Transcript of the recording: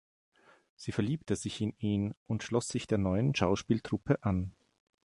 Sie verliebte sich in ihn und schloss sich der neuen Schauspieltruppe an.